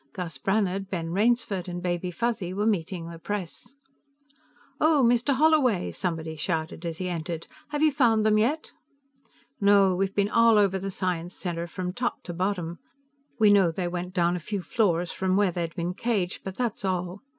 Gus Brannhard, Ben Rainsford and Baby Fuzzy were meeting the press. "Oh, Mr. Holloway!" somebody shouted as he entered. "Have you found them yet?" "No; we've been all over Science Center from top to bottom. We know they went down a few floors from where they'd been caged, but that's all.